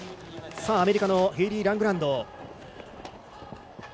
アメリカのヘイリー・ラングランド。